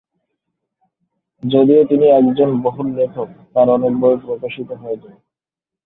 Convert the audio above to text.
যদিও তিনি একজন বহুল লেখক, তাঁর অনেক বই প্রকাশিত হয়নি।